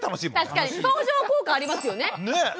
確かに相乗効果ありますよね。